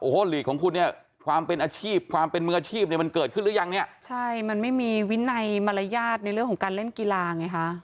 หรือว่าสเปรย์หรือประเทศไหนในยุโรปก็แล้วแต่